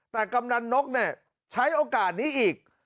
แต่กำนันนกเนี่ยใช้โอกาสนี้อีก